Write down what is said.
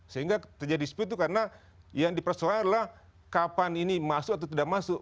sehingga terjadi speed itu karena yang dipersoalkan adalah kapan ini masuk atau tidak masuk